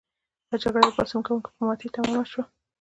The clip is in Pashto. دا جګړه د پاڅون کوونکو په ماتې تمامه شوه.